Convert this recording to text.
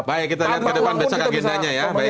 baik kita lihat ke depan besok agendanya ya